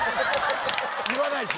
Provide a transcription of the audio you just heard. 言わないし。